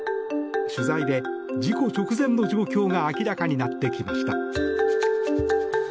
取材で事故直前の状況が明らかになってきました。